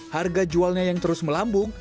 harga jualnya yang terus melambung